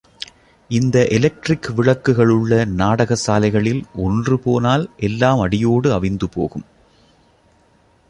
இந்த எலெக்டிரிக் விளக்குகளுள்ள நாடக சாலைகளில், ஒன்று போனால் எல்லாம் அடியோடு அவிந்து போகும்.